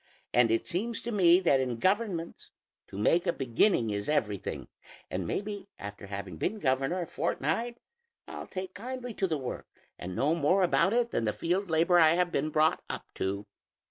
And it seems to me that in governments, to make a beginning is everything; and maybe after having been governor a fortnight, I'll take kindly to the work and know more about it than the field labor I have been brought up to."